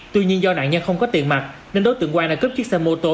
tuy nhiên do nạn nhân không có tiền mặt nên đối tượng quang đã cướp chiếc xe mô tô